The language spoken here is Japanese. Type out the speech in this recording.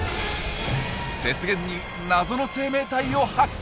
雪原に謎の生命体を発見！